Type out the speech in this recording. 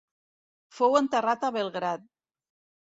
Fou enterrat a Belgrad.